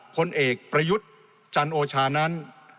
ผลเอกประยุทธ์จันโอชานั้น